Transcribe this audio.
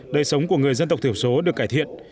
đời sống của người dân tộc thiểu số được cải thiện